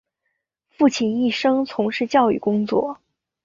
父亲一生从事教育工作。